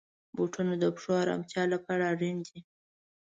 بوټونه د پښو آرامتیا لپاره اړین دي.